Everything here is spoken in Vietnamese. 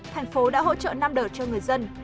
thành phố đã hỗ trợ năm đợt cho người dân